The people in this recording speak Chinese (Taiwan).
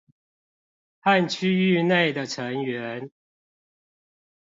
和區域內的成員